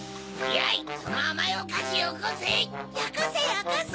よこせよこせ！